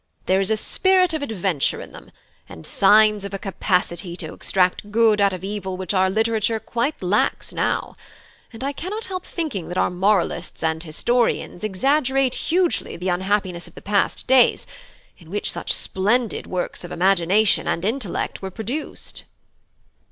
There is a spirit of adventure in them, and signs of a capacity to extract good out of evil which our literature quite lacks now; and I cannot help thinking that our moralists and historians exaggerate hugely the unhappiness of the past days, in which such splendid works of imagination and intellect were produced."